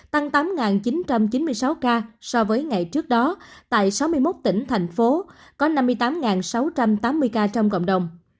tăng tám chín trăm chín mươi sáu ca so với ngày trước đó tại sáu mươi một tỉnh thành phố có năm mươi tám sáu trăm tám mươi ca trong cộng đồng